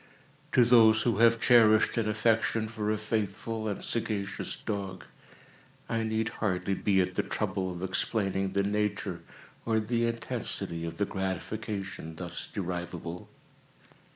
To those who have cherished an affection for a faithful and sagacious dog, I need hardly be at the trouble of explaining the nature or the intensity of the gratification thus derivable.